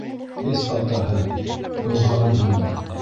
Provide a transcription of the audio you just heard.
— Эс, атаһы, һыуһағанһыңдыр.